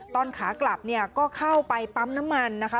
ขากลับเนี่ยก็เข้าไปปั๊มน้ำมันนะคะ